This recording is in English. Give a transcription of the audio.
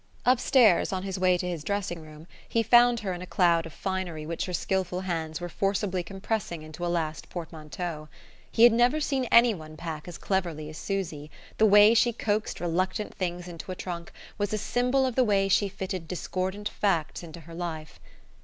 Upstairs, on the way to his dressing room, he found her in a cloud of finery which her skilful hands were forcibly compressing into a last portmanteau. He had never seen anyone pack as cleverly as Susy: the way she coaxed reluctant things into a trunk was a symbol of the way she fitted discordant facts into her life.